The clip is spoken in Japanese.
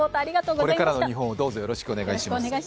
これからの日本をよろしくお願いします。